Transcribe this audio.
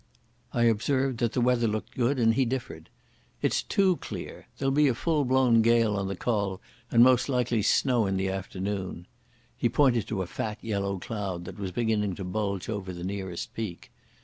I observed that the weather looked good, and he differed. "It's too clear. There'll be a full blown gale on the Col and most likely snow in the afternoon." He pointed to a fat yellow cloud that was beginning to bulge over the nearest peak.